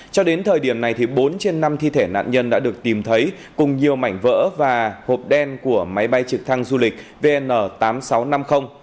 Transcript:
cho đến thời điểm này bốn trên năm thi thể nạn nhân đã được tìm thấy cùng nhiều mảnh vỡ và hộp đen của máy bay trực thăng du lịch vn tám nghìn sáu trăm năm mươi